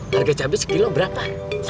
harga cabai sekilo berapa